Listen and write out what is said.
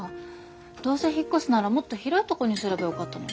どうせ引っ越すならもっと広いとこにすればよかったのに。